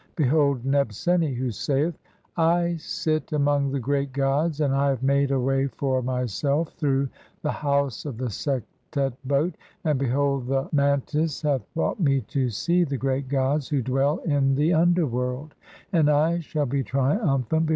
Behold Nebseni, (3) who saith :— "I sit among the great gods, and I have made a way for my self (4) through the house of the Sektet boat ; and behold, the "mantis x hath brought me to see the great gods (5) who dwell "in the underworld, and I shall be triumphant before them, for "I am pure."